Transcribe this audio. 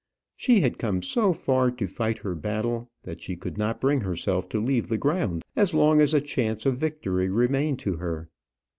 She had come so far to fight her battle, that she could not bring herself to leave the ground as long as a chance of victory remained to her.